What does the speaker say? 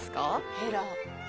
ヘラ！